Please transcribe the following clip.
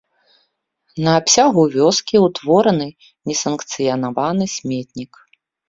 На абсягу вёскі ўтвораны несанкцыянаваны сметнік.